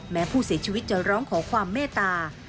แม้ผู้เสียชีวิตจะร้องขอความเมตตา